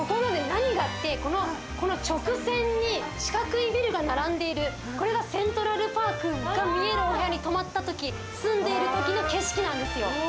何がってこの直線に四角いビルが並んでいるこれがセントラルパークが見えるお部屋に泊まった時住んでいる時の景色なんですよ